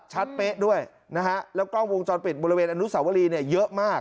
เป๊ะด้วยนะฮะแล้วกล้องวงจรปิดบริเวณอนุสาวรีเนี่ยเยอะมาก